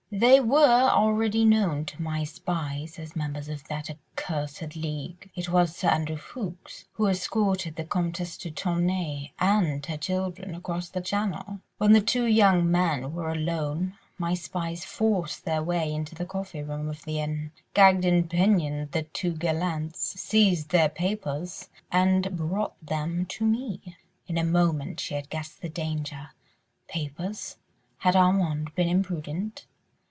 "They were already known to my spies as members of that accursed league. It was Sir Andrew Ffoulkes who escorted the Comtesse de Tournay and her children across the Channel. When the two young men were alone, my spies forced their way into the coffee room of the inn, gagged and pinioned the two gallants, seized their papers, and brought them to me." In a moment she had guessed the danger. Papers? ... Had Armand been imprudent?